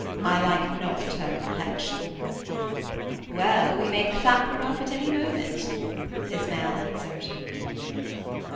I like not her complexion.' 'Well, we may clap her up at any moment,' his man answered.